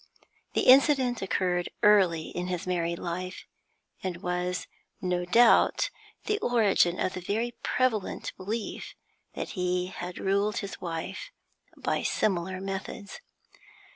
The incident occurred early in his married life, and was, no doubt, the origin of the very prevalent belief that he had ruled his wife by similar methods.